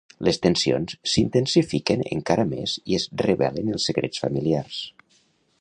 Les tensions s'intensifiquen encara més i es revelen els secrets familiars.